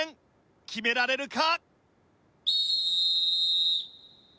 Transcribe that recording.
決められるか？